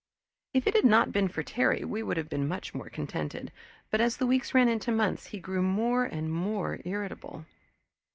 If it had not been for Terry we would have been much more contented, but as the weeks ran into months he grew more and more irritable.